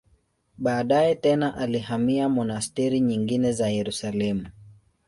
Baadaye tena alihamia monasteri nyingine za Yerusalemu.